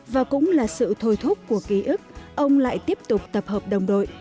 và cũng là sự thôi thúc của ký ức ông lại tiếp tục tập hợp đồng đội